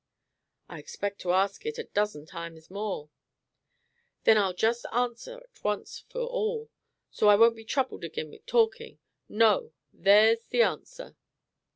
"I expect to ask it a dozen times more." "Then I'll just answer at once for all, so I won't be troubled agin with talkin'. No! there's the answer."